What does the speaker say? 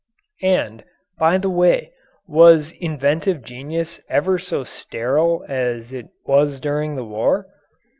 And, by the way, was inventive genius ever so sterile as it was during the war?